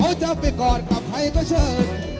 เขาจะไปกอดกับใครก็เชิญ